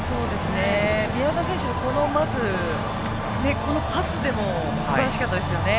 宮澤選手のパスがすばらしかったですよね。